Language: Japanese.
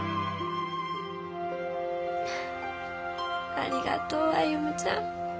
ありがとう歩ちゃん。